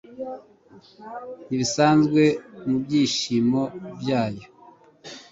Ntibisanzwe mubyishimo byayo